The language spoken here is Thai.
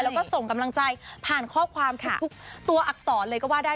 แล้วก็ส่งกำลังใจผ่านข้อความทุกตัวอักษรเลยก็ว่าได้